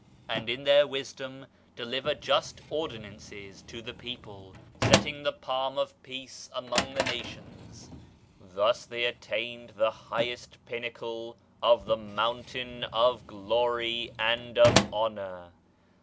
And in their wisdom deliver just ordinances to the people, setting the palm of peace among the nations; thus they attain the highest pinnacle of the mountain of glory and of honor.